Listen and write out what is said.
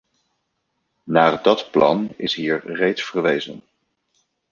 Naar dat plan is hier reeds verwezen.